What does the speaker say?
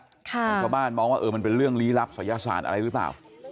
ของชาวบ้านมองว่ามันเป็นเรื่องลี้ลับศัยศาสตร์อะไรหรือเปล่า